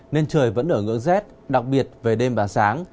nên trời vẫn ở ngưỡng rét đặc biệt về đêm và sáng